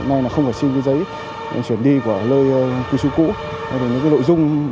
hôm nay không phải xin giấy chuyển đi của lơi cư trú cũ